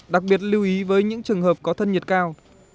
đặc biệt lưu ý với những trường hợp có thân nhiệt cao